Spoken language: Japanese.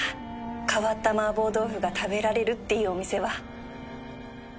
変わったマーボー豆腐が食べられるっていうお店は